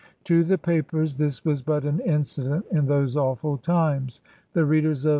To the papers this was but an incident in those awful times; the readers of M.